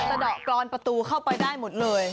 สะดอกกรอนประตูเข้าไปได้หมดเลย